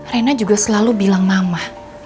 reina juga selalu bilang mama